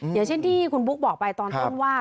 อย่างเช่นที่คุณบุ๊คบอกไปตอนต้นว่า